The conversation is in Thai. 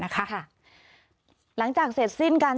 ค่ะ